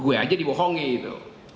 gue aja dibohongi itu